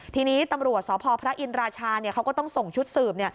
ทีนี้ตำรวจสพพระอินราชาเขาก็ต้องส่งชุดสืบ